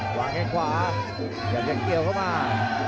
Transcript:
หวังแข่งขวาเก็บแข่งเกี่ยวเข้ามา